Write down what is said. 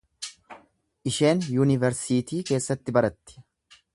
Isheen yunivarsiitii keessaa baratti.